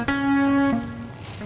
menyaka kita sedang ziarah kubur